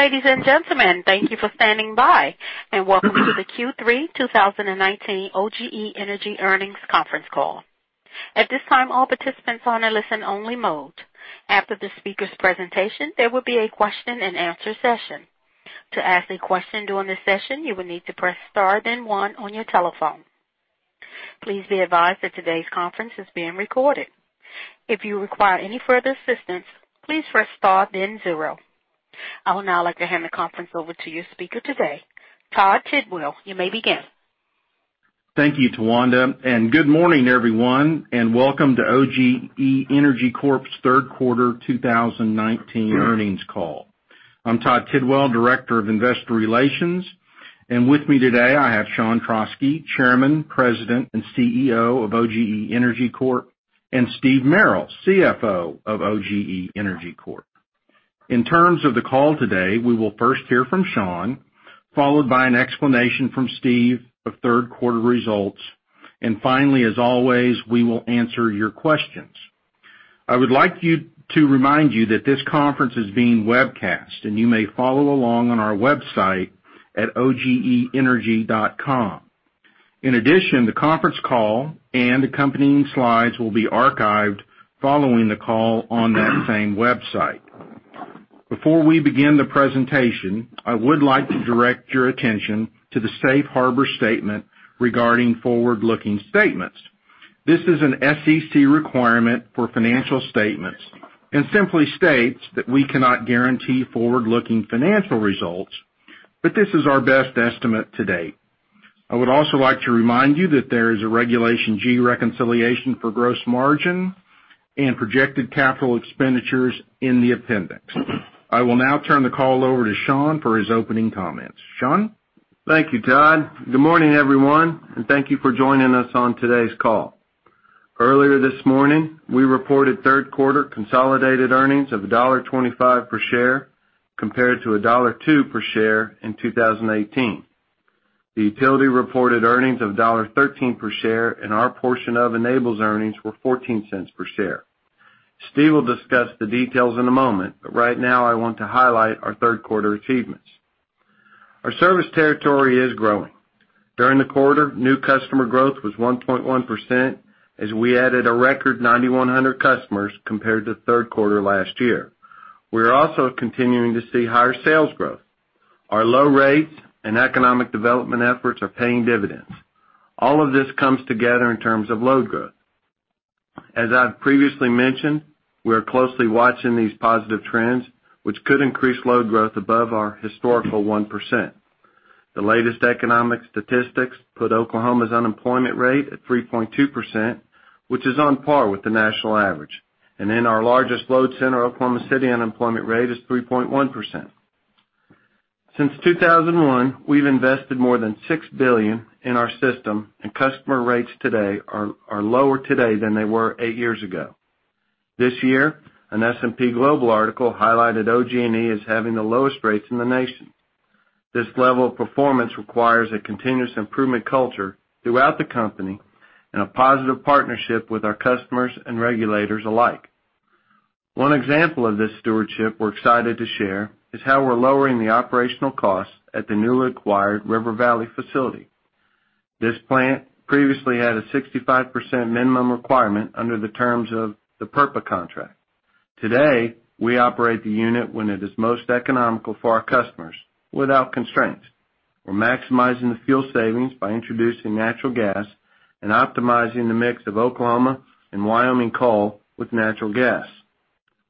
Ladies and gentlemen, thank you for standing by, and welcome to the Q3 2019 OGE Energy Earnings Conference Call. At this time, all participants are in a listen-only mode. After the speakers' presentation, there will be a question and answer session. To ask a question during this session, you will need to press star then one on your telephone. Please be advised that today's conference is being recorded. If you require any further assistance, please press star then zero. I would now like to hand the conference over to your speaker today, Todd Tidwell. You may begin. Thank you, Tawanda, and good morning, everyone, and welcome to OGE Energy Corp's third quarter 2019 earnings call. I'm Todd Tidwell, Director of Investor Relations, and with me today, I have Sean Trauschke, Chairman, President, and CEO of OGE Energy Corp, and Steve Merrill, CFO of OGE Energy Corp. In terms of the call today, we will first hear from Sean, followed by an explanation from Steve of third quarter results, and finally, as always, we will answer your questions. I would like to remind you that this conference is being webcast, and you may follow along on our website at ogeenergy.com. In addition, the conference call and accompanying slides will be archived following the call on that same website. Before we begin the presentation, I would like to direct your attention to the safe harbor statement regarding forward-looking statements. This is an SEC requirement for financial statements and simply states that we cannot guarantee forward-looking financial results, but this is our best estimate to date. I would also like to remind you that there is a Regulation G reconciliation for gross margin and projected capital expenditures in the appendix. I will now turn the call over to Sean for his opening comments. Sean? Thank you, Todd. Good morning, everyone, and thank you for joining us on today's call. Earlier this morning, we reported third-quarter consolidated earnings of $1.25 per share compared to $1.02 per share in 2018. The utility reported earnings of $1.13 per share and our portion of Enable's earnings were $0.14 per share. Steve will discuss the details in a moment, but right now I want to highlight our third-quarter achievements. Our service territory is growing. During the quarter, new customer growth was 1.1% as we added a record 9,100 customers compared to the third quarter last year. We are also continuing to see higher sales growth. Our low rates and economic development efforts are paying dividends. All of this comes together in terms of load growth. As I've previously mentioned, we are closely watching these positive trends, which could increase load growth above our historical 1%. The latest economic statistics put Oklahoma's unemployment rate at 3.2%, which is on par with the national average. In our largest load center, Oklahoma City, unemployment rate is 3.1%. Since 2001, we've invested more than $6 billion in our system and customer rates today are lower today than they were eight years ago. This year, an S&P Global article highlighted OG&E as having the lowest rates in the nation. This level of performance requires a continuous improvement culture throughout the company and a positive partnership with our customers and regulators alike. One example of this stewardship we're excited to share is how we're lowering the operational costs at the newly acquired River Valley facility. This plant previously had a 65% minimum requirement under the terms of the PURPA contract. Today, we operate the unit when it is most economical for our customers without constraints. We're maximizing the fuel savings by introducing natural gas and optimizing the mix of Oklahoma and Wyoming coal with natural gas.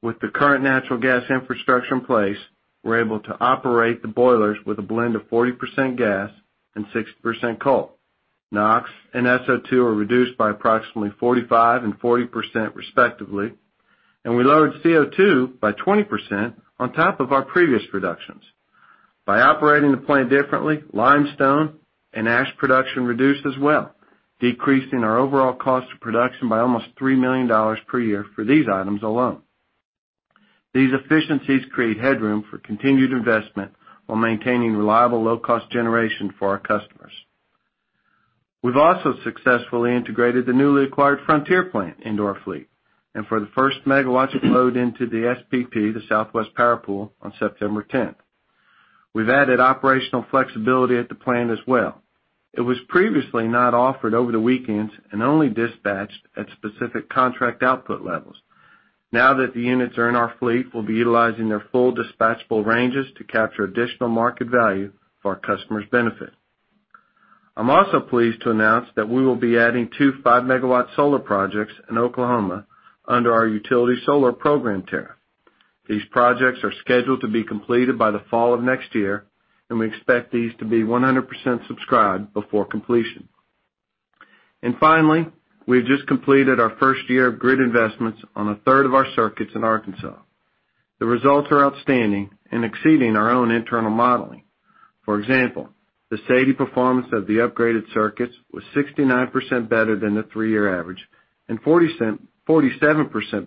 With the current natural gas infrastructure in place, we're able to operate the boilers with a blend of 40% gas and 60% coal. NOx and SO2 are reduced by approximately 45% and 40%, respectively, and we lowered CO2 by 20% on top of our previous reductions. By operating the plant differently, limestone and ash production reduce as well, decreasing our overall cost of production by almost $3 million per year for these items alone. These efficiencies create headroom for continued investment while maintaining reliable, low-cost generation for our customers. We've also successfully integrated the newly acquired Frontier plant into our fleet, and for the first megawatt of load into the SPP, the Southwest Power Pool, on September 10th. We've added operational flexibility at the plant as well. It was previously not offered over the weekends and only dispatched at specific contract output levels. Now that the units are in our fleet, we'll be utilizing their full dispatchable ranges to capture additional market value for our customers' benefit. I'm also pleased to announce that we will be adding two five-megawatt solar projects in Oklahoma under our Utility Solar Program Tariff. These projects are scheduled to be completed by the fall of next year. We expect these to be 100% subscribed before completion. Finally, we've just completed our first year of grid investments on a third of our circuits in Arkansas. The results are outstanding and exceeding our own internal modeling. For example, the SAIDI performance of the upgraded circuits was 69% better than the three-year average and 47%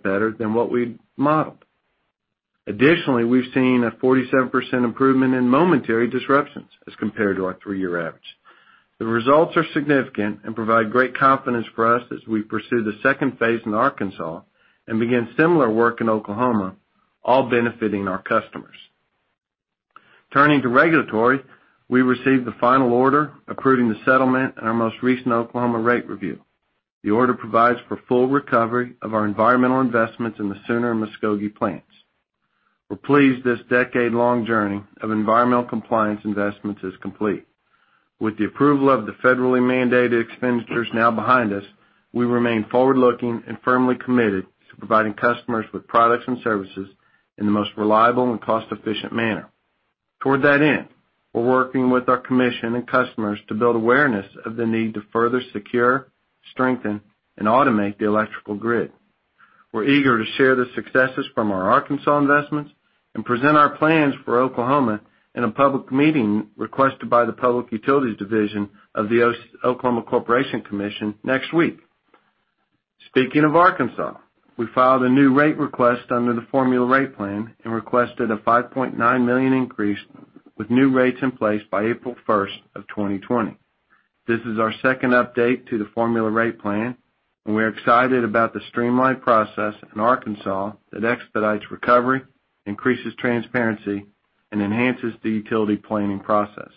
better than what we'd modeled. Additionally, we've seen a 47% improvement in momentary disruptions as compared to our three-year average. The results are significant and provide great confidence for us as we pursue the second phase in Arkansas and begin similar work in Oklahoma, all benefiting our customers. Turning to regulatory, we received the final order approving the settlement in our most recent Oklahoma rate review. The order provides for full recovery of our environmental investments in the Sooner and Muskogee plants. We're pleased this decade-long journey of environmental compliance investments is complete. With the approval of the federally mandated expenditures now behind us, we remain forward-looking and firmly committed to providing customers with products and services in the most reliable and cost-efficient manner. Toward that end, we're working with our commission and customers to build awareness of the need to further secure, strengthen, and automate the electrical grid. We're eager to share the successes from our Arkansas investments and present our plans for Oklahoma in a public meeting requested by the Public Utility Division of the Oklahoma Corporation Commission next week. Speaking of Arkansas, we filed a new rate request under the formula rate plan and requested a $5.9 million increase with new rates in place by April 1st, 2020. This is our second update to the formula rate plan, and we're excited about the streamlined process in Arkansas that expedites recovery, increases transparency, and enhances the utility planning process.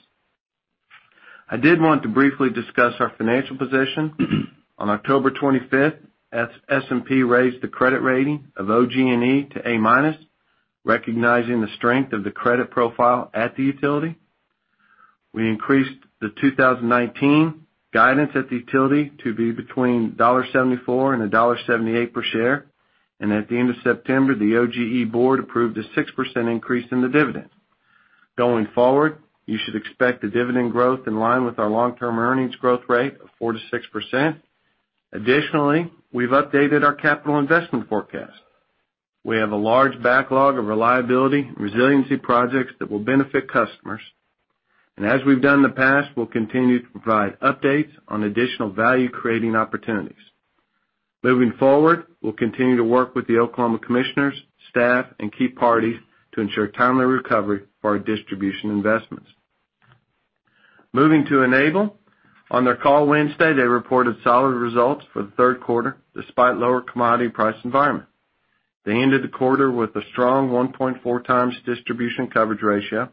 I did want to briefly discuss our financial position. On October 25th, S&P raised the credit rating of OG&E to A-minus, recognizing the strength of the credit profile at the utility. We increased the 2019 guidance at the utility to be between $1.74 and $1.78 per share. At the end of September, the OGE board approved a 6% increase in the dividend. Going forward, you should expect a dividend growth in line with our long-term earnings growth rate of 4%-6%. Additionally, we've updated our capital investment forecast. We have a large backlog of reliability and resiliency projects that will benefit customers. As we've done in the past, we'll continue to provide updates on additional value-creating opportunities. Moving forward, we'll continue to work with the Oklahoma commissioners, staff, and key parties to ensure timely recovery for our distribution investments. Moving to Enable. On their call Wednesday, they reported solid results for the third quarter despite lower commodity price environment. They ended the quarter with a strong 1.4 times distribution coverage ratio.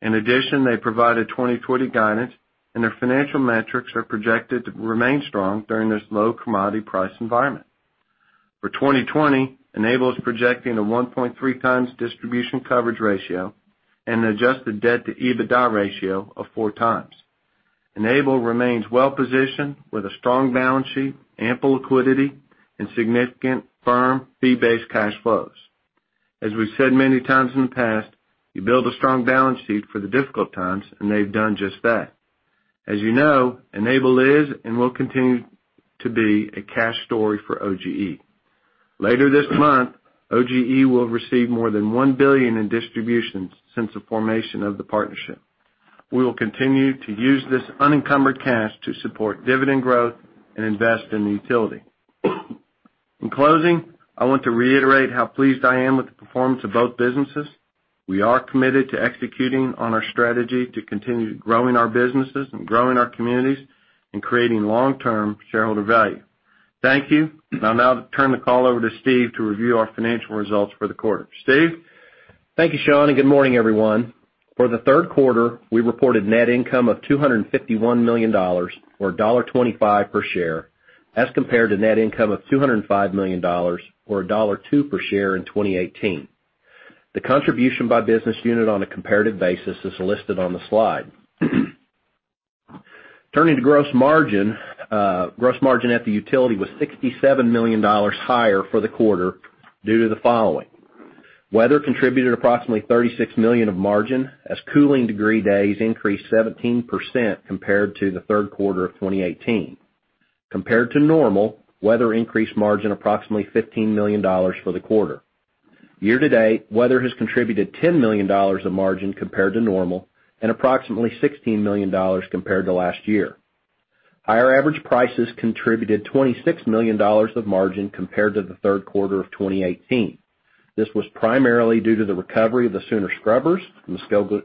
In addition, they provided 2020 guidance, and their financial metrics are projected to remain strong during this low commodity price environment. For 2020, Enable is projecting a 1.3 times distribution coverage ratio and an adjusted debt to EBITDA ratio of four times. Enable remains well-positioned with a strong balance sheet, ample liquidity, and significant firm fee-based cash flows. As we've said many times in the past, you build a strong balance sheet for the difficult times, and they've done just that. As you know, Enable is and will continue to be a cash story for OGE. Later this month, OGE will have received more than $1 billion in distributions since the formation of the partnership. We will continue to use this unencumbered cash to support dividend growth and invest in the utility. In closing, I want to reiterate how pleased I am with the performance of both businesses. We are committed to executing on our strategy to continue growing our businesses and growing our communities and creating long-term shareholder value. Thank you. I'll now turn the call over to Steve to review our financial results for the quarter. Steve? Thank you, Sean, and good morning, everyone. For the third quarter, we reported net income of $251 million, or $1.25 per share, as compared to net income of $205 million or $1.02 per share in 2018. The contribution by business unit on a comparative basis is listed on the slide. Turning to gross margin. Gross margin at the utility was $67 million higher for the quarter due to the following. Weather contributed approximately $36 million of margin as cooling degree days increased 17% compared to the third quarter of 2018. Compared to normal, weather increased margin approximately $15 million for the quarter. Year to date, weather has contributed $10 million of margin compared to normal and approximately $16 million compared to last year. Higher average prices contributed $26 million of margin compared to the third quarter of 2018. This was primarily due to the recovery of the Sooner Scrubbers, the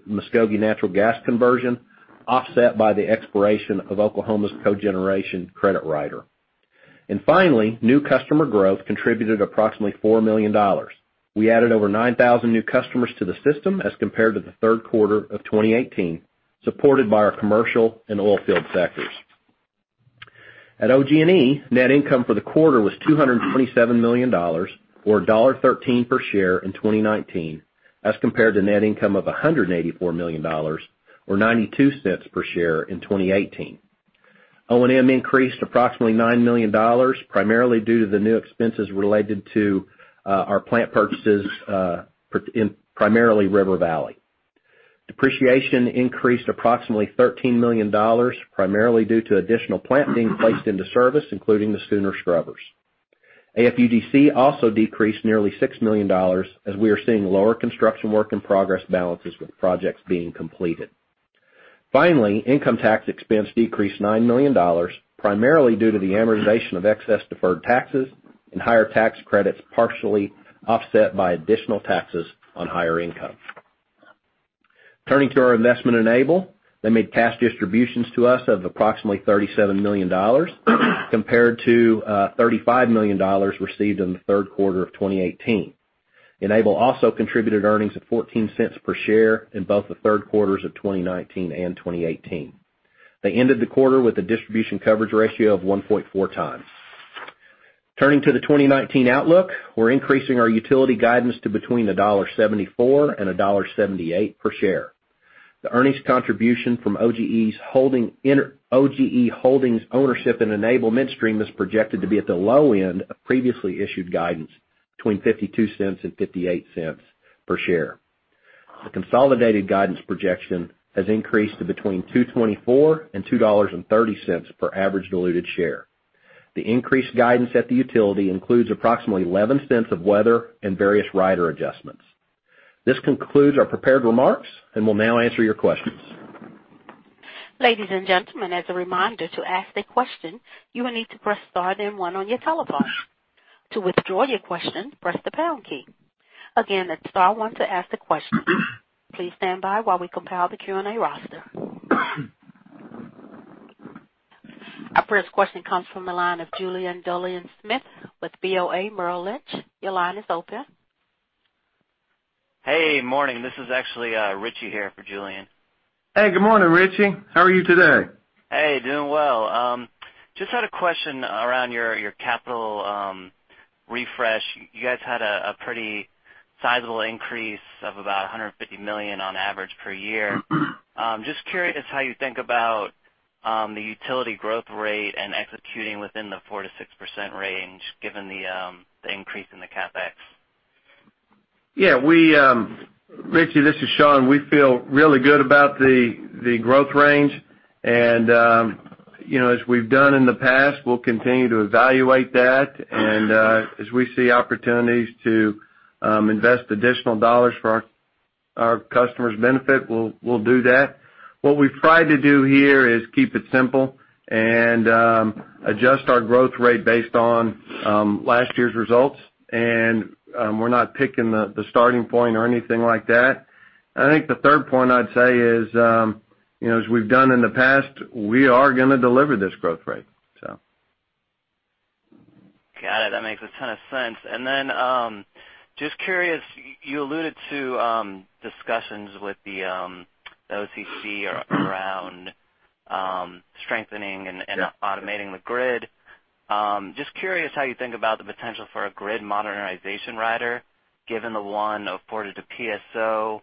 Muskogee natural gas conversion, offset by the expiration of Oklahoma's cogeneration credit rider. Finally, new customer growth contributed approximately $4 million. We added over 9,000 new customers to the system as compared to the third quarter of 2018, supported by our commercial and oilfield sectors. At OG&E, net income for the quarter was $227 million or $1.13 per share in 2019 as compared to net income of $184 million or $0.92 per share in 2018. O&M increased approximately $9 million, primarily due to the new expenses related to our plant purchases in primarily River Valley. Depreciation increased approximately $13 million, primarily due to additional plant being placed into service, including the Sooner Scrubbers. AFUDC also decreased nearly $6 million as we are seeing lower construction work in progress balances with projects being completed. Finally, income tax expense decreased $9 million, primarily due to the amortization of excess deferred taxes and higher tax credits, partially offset by additional taxes on higher income. Turning to our investment Enable, they made cash distributions to us of approximately $37 million compared to $35 million received in the third quarter of 2018. Enable also contributed earnings of $0.14 per share in both the third quarters of 2019 and 2018. They ended the quarter with a distribution coverage ratio of 1.4 times. Turning to the 2019 outlook, we're increasing our utility guidance to between $1.74 and $1.78 per share. The earnings contribution from OGE Holdings' ownership in Enable Midstream is projected to be at the low end of previously issued guidance between $0.52 and $0.58 per share. The consolidated guidance projection has increased to between $2.24 and $2.30 per average diluted share. The increased guidance at the utility includes approximately $0.11 of weather and various rider adjustments. This concludes our prepared remarks, and we'll now answer your questions. Ladies and gentlemen, as a reminder, to ask a question, you will need to press star then one on your telephone. To withdraw your question, press the pound key. Again, that's star one to ask the question. Please stand by while we compile the Q&A roster. Our first question comes from the line of Julien Dumoulin-Smith with BofA Merrill Lynch. Your line is open. Hey, morning. This is actually Richie here for Julien. Hey, good morning, Richie. How are you today? Hey, doing well. Just had a question around your capital refresh. You guys had a pretty sizable increase of about $150 million on average per year. Just curious how you think about the utility growth rate and executing within the 4%-6% range, given the increase in the CapEx. Yeah, Richie, this is Sean. We feel really good about the growth range. As we've done in the past, we'll continue to evaluate that. As we see opportunities to invest additional dollars for our customers' benefit, we'll do that. What we've tried to do here is keep it simple and adjust our growth rate based on last year's results. We're not picking the starting point or anything like that. I think the third point I'd say is, as we've done in the past, we are going to deliver this growth rate. Got it. That makes a ton of sense. Just curious, you alluded to discussions with the OCC around strengthening and automating the grid. Just curious how you think about the potential for a grid modernization rider, given the one afforded to PSO,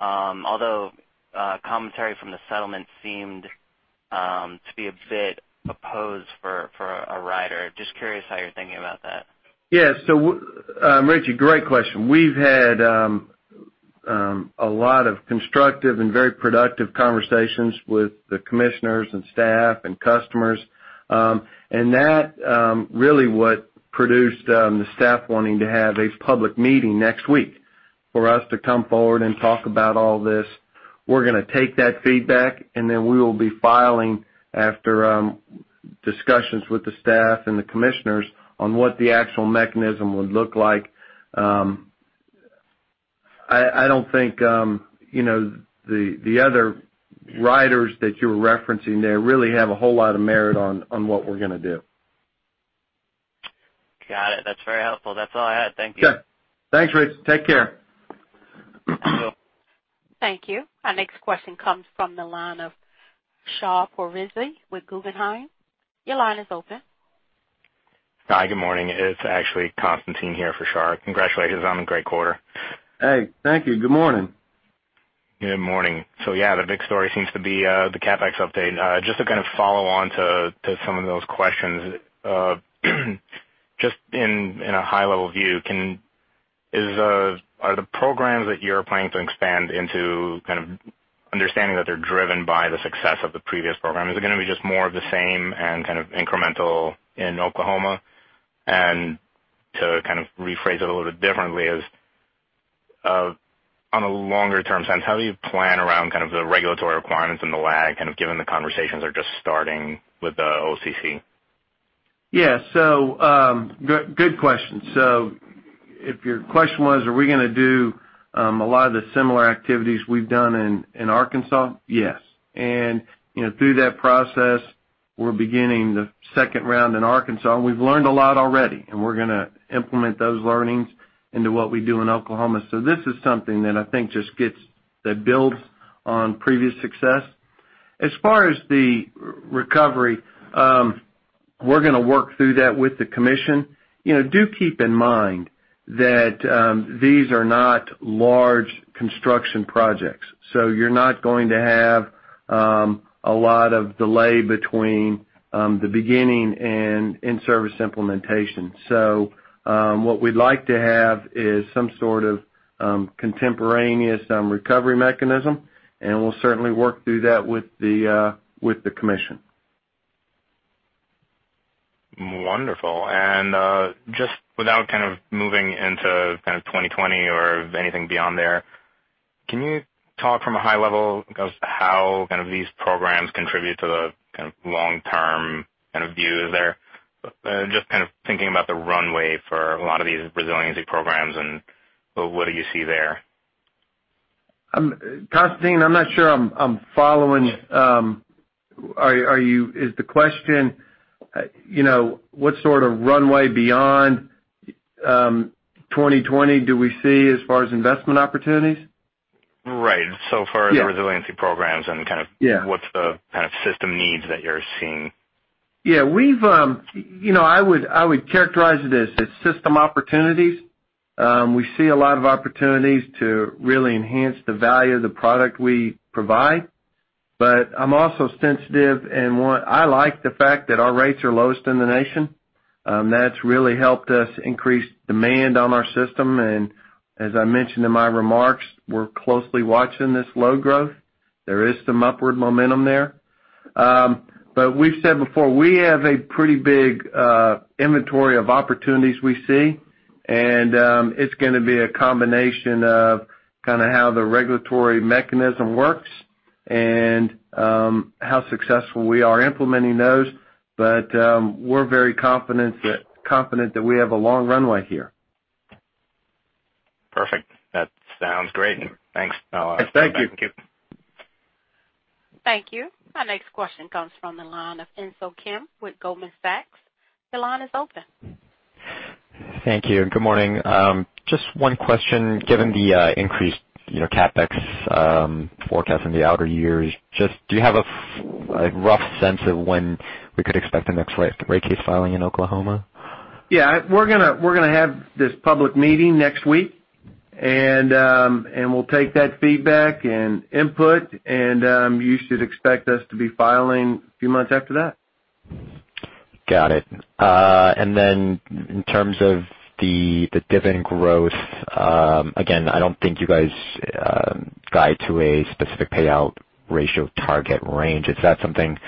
although commentary from the settlement seemed to be a bit opposed for a rider. Just curious how you're thinking about that. Richie, great question. We've had a lot of constructive and very productive conversations with the commissioners and staff and customers. That really what produced the staff wanting to have a public meeting next week for us to come forward and talk about all this. We're going to take that feedback, we will be filing after discussions with the staff and the commissioners on what the actual mechanism would look like. I don't think the other riders that you're referencing there really have a whole lot of merit on what we're going to do. Got it. That's very helpful. That's all I had. Thank you. Okay. Thanks, Richie. Take care. Thank you. Our next question comes from the line of Shahriar Pourreza with Guggenheim. Your line is open. Hi, good morning. It's actually Constantine here for Shahriar. Congratulations on a great quarter. Hey, thank you. Good morning. Good morning. Yeah, the big story seems to be the CapEx update. Just to kind of follow on to some of those questions. Just in a high-level view, are the programs that you're planning to expand into kind of understanding that they're driven by the success of the previous program? Is it going to be just more of the same and kind of incremental in Oklahoma? To kind of rephrase it a little bit differently is, on a longer-term sense, how do you plan around kind of the regulatory requirements and the lag, kind of given the conversations are just starting with the OCC? Yeah. Good question. If your question was, are we going to do a lot of the similar activities we've done in Arkansas? Yes. Through that process, we're beginning the second round in Arkansas, and we've learned a lot already, and we're going to implement those learnings into what we do in Oklahoma. This is something that I think just gets that build on previous success. As far as the recovery, we're going to work through that with the Commission. Do keep in mind that these are not large construction projects, so you're not going to have a lot of delay between the beginning and in-service implementation. What we'd like to have is some sort of contemporaneous recovery mechanism, and we'll certainly work through that with the Commission. Wonderful. Just without kind of moving into kind of 2020 or anything beyond there, can you talk from a high level of how kind of these programs contribute to the kind of long-term kind of view there. Just kind of thinking about the runway for a lot of these resiliency programs and what do you see there? Constantine, I'm not sure I'm following. Is the question, what sort of runway beyond 2020 do we see as far as investment opportunities? Right. Yeah the resiliency programs and. Yeah what's the kind of system needs that you're seeing? Yeah. I would characterize it as it's system opportunities. We see a lot of opportunities to really enhance the value of the product we provide. I'm also sensitive and I like the fact that our rates are lowest in the nation. That's really helped us increase demand on our system, and as I mentioned in my remarks, we're closely watching this low growth. There is some upward momentum there. We've said before, we have a pretty big inventory of opportunities we see, and it's going to be a combination of how the regulatory mechanism works and how successful we are implementing those. We're very confident that we have a long runway here. Perfect. That sounds great. Thanks. Thank you. Thank you. Thank you. Our next question comes from the line of Insoo Kim with Goldman Sachs. Your line is open. Thank you. Good morning. Just one question. Given the increased CapEx forecast in the outer years, just do you have a rough sense of when we could expect the next rate case filing in Oklahoma? Yeah. We're going to have this public meeting next week. We'll take that feedback and input. You should expect us to be filing a few months after that. Got it. In terms of the dividend growth, again, I don't think you guys guide to a specific payout ratio target range. Is that something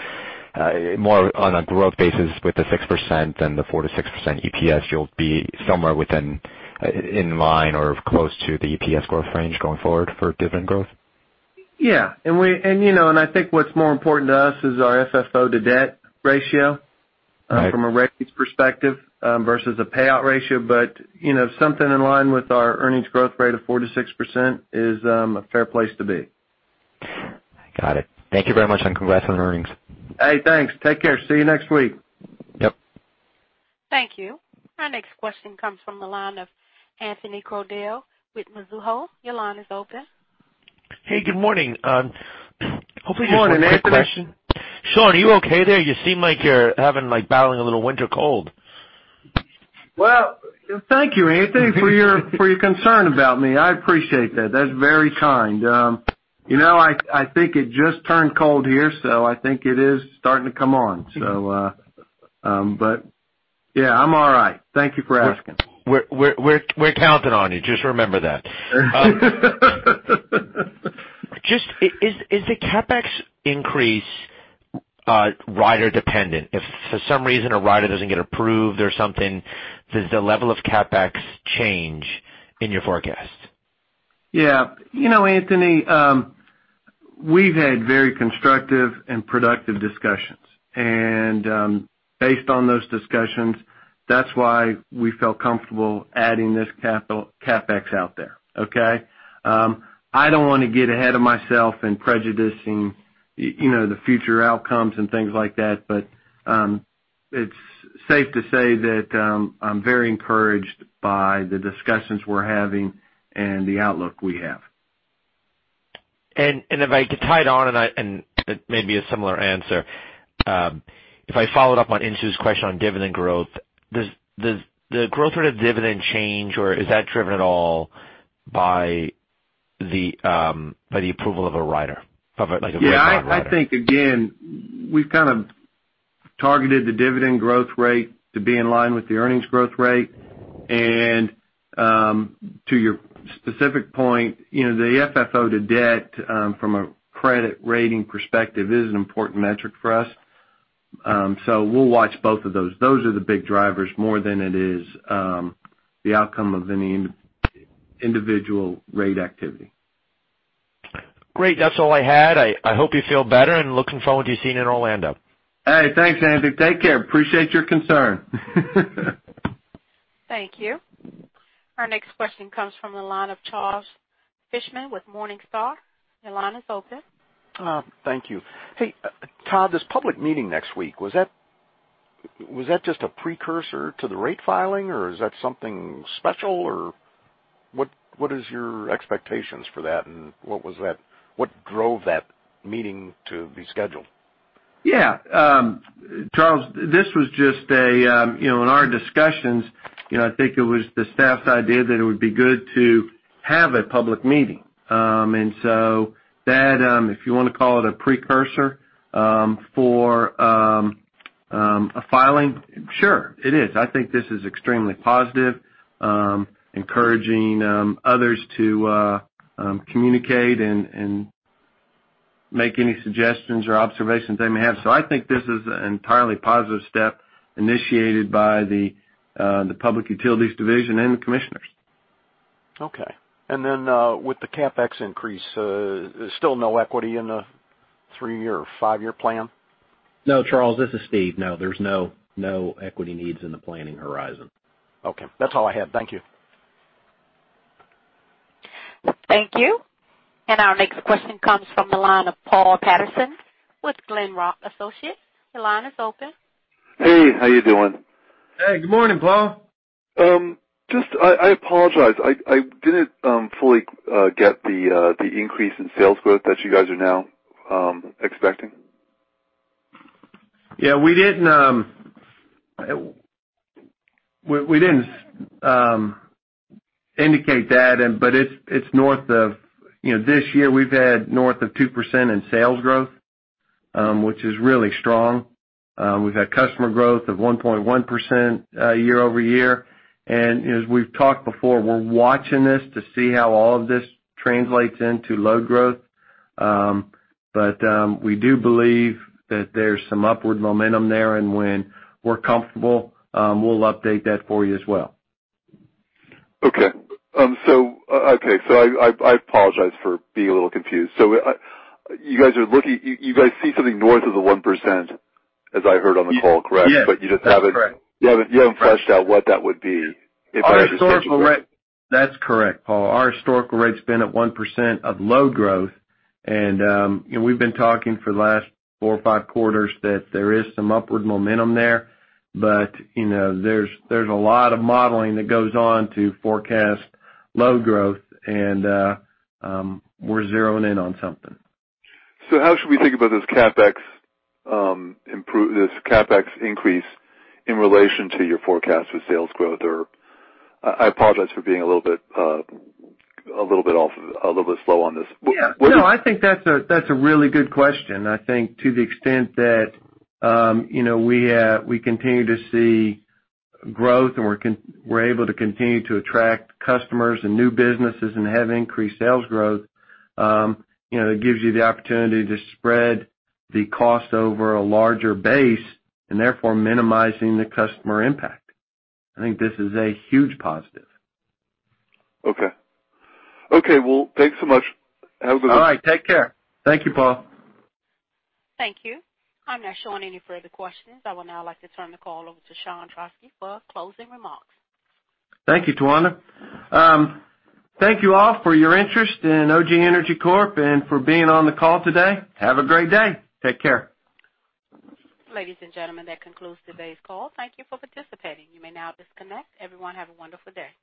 more on a growth basis with the 6% than the 4%-6% EPS, you'll be somewhere within, in line or close to the EPS growth range going forward for dividend growth? Yeah. I think what's more important to us is our FFO to debt ratio- Right from a rates perspective versus a payout ratio. Something in line with our earnings growth rate of 4%-6% is a fair place to be. Got it. Thank you very much, and congrats on earnings. Hey, thanks. Take care. See you next week. Yep. Thank you. Our next question comes from the line of Anthony Crowdell with Mizuho. Your line is open. Hey, good morning. Hopefully this is a quick question? Good morning, Anthony. Sean, are you okay there? You seem like you're battling a little winter cold. Well, thank you, Anthony, for your concern about me. I appreciate that. That's very kind. I think it just turned cold here, so I think it is starting to come on. Yeah, I'm all right. Thank you for asking. We're counting on you. Just remember that. Just, is the CapEx increase rider dependent? If for some reason a rider doesn't get approved or something, does the level of CapEx change in your forecast? Yeah. Anthony, we've had very constructive and productive discussions. Based on those discussions, that's why we felt comfortable adding this CapEx out there. Okay? I don't want to get ahead of myself in prejudicing the future outcomes and things like that, but it's safe to say that I'm very encouraged by the discussions we're having and the outlook we have. If I could tie it on, and it may be a similar answer. If I followed up on Insoo's question on dividend growth, does the growth rate of dividend change, or is that driven at all by the approval of a rider, of like a rate rider? I think again, we've kind of targeted the dividend growth rate to be in line with the earnings growth rate. To your specific point, the FFO to debt from a credit rating perspective is an important metric for us. We'll watch both of those. Those are the big drivers more than it is the outcome of any individual rate activity. Great. That's all I had. I hope you feel better, and looking forward to seeing you in Orlando. Hey, thanks, Anthony. Take care. Appreciate your concern. Thank you. Our next question comes from the line of Charles Fishman with Morningstar. Your line is open. Thank you. Hey, Todd, this public meeting next week, was that just a precursor to the rate filing, or is that something special, or what is your expectations for that, and what drove that meeting to be scheduled? Yeah. Charles, In our discussions, I think it was the staff's idea that it would be good to have a public meeting. That, if you want to call it a precursor for a filing, sure, it is. I think this is extremely positive, encouraging others to communicate and make any suggestions or observations they may have. I think this is an entirely positive step initiated by the Public Utility Division and the commissioners. Okay. With the CapEx increase, still no equity in the three-year or five-year plan? No, Charles, this is Steve. No, there's no equity needs in the planning horizon. Okay. That's all I have. Thank you. Thank you. Our next question comes from the line of Paul Patterson with Glenrock Associates. Your line is open. Hey, how you doing? Hey, good morning, Paul. I apologize. I didn't fully get the increase in sales growth that you guys are now expecting. We didn't indicate that, but this year we've had north of 2% in sales growth, which is really strong. We've had customer growth of 1.1% year-over-year. As we've talked before, we're watching this to see how all of this translates into load growth. We do believe that there's some upward momentum there, and when we're comfortable, we'll update that for you as well. Okay. I apologize for being a little confused. You guys see something north of the 1%, as I heard on the call, correct? Yes. That's correct. You haven't fleshed out what that would be if I understood you correctly. That's correct, Paul. Our historical rate's been at 1% of load growth, and we've been talking for the last four or five quarters that there is some upward momentum there. There's a lot of modeling that goes on to forecast load growth, and we're zeroing in on something. How should we think about this CapEx increase in relation to your forecasted sales growth? I apologize for being a little bit slow on this. Yeah. No, I think that's a really good question. I think to the extent that we continue to see growth, and we're able to continue to attract customers and new businesses and have increased sales growth, it gives you the opportunity to spread the cost over a larger base and therefore minimizing the customer impact. I think this is a huge positive. Okay. Well, thanks so much. Have a good one. All right. Take care. Thank you, Paul. Thank you. I'm not showing any further questions. I would now like to turn the call over to Sean Trauschke for closing remarks. Thank you, Tawanda. Thank you all for your interest in OGE Energy Corp and for being on the call today. Have a great day. Take care. Ladies and gentlemen, that concludes today's call. Thank you for participating. You may now disconnect. Everyone, have a wonderful day.